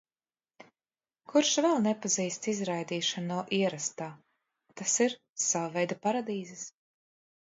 Kurš vēl nepazīst izraidīšanu no ierastā, tas ir – savveida paradīzes.